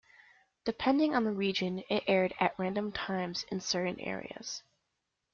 Depending on the region, it aired at random times in certain areas.